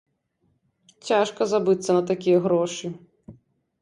Цяжка забыцца на такія грошы.